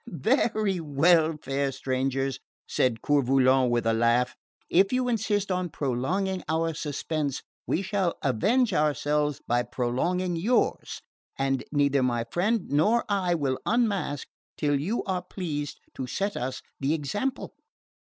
"Very well, fair strangers," said Coeur Volant with a laugh; "if you insist on prolonging our suspense we shall avenge ourselves by prolonging yours, and neither my friend nor I will unmask till you are pleased to set us the example."